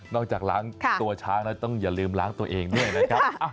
จากล้างตัวช้างแล้วต้องอย่าลืมล้างตัวเองด้วยนะครับ